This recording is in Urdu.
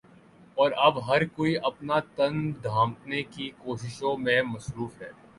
اور اب ہر کوئی اپنا تن ڈھانپٹنے کی کوششوں میں مصروف ہے